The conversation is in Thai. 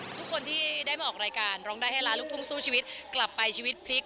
ทุกคนที่ได้มาออกรายการร้องได้ให้ล้านลูกทุ่งสู้ชีวิตกลับไปชีวิตพลิก